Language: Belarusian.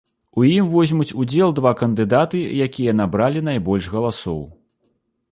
У ім возьмуць удзел два кандыдаты, якія набралі найбольш галасоў.